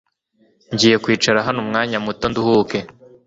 Ngiye kwicara hano umwanya muto nduhuke